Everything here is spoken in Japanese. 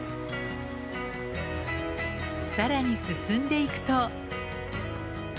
更に進んでいくと。